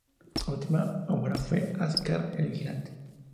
Su última obra fue "Arzak el vigilante".